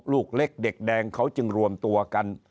ลูกเล็กเด็กแดงเขาจึงรวมตัวกัน